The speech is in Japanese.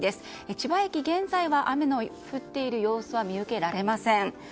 千葉駅、現在は雨の降っている様子は見受けられません。